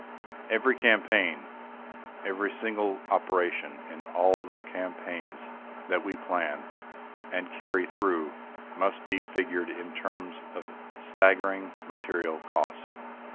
Every campaign, every single operation in all the campaigns that we plan and carry through must be figured in terms of staggering material costs.